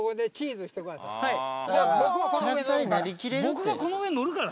僕もこの上乗るから。